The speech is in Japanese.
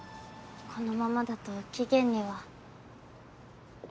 このままだと期限には。